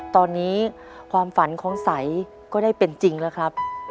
ตอนนี้ความฝันของใสก็ได้เป็นจริงแล้วครับ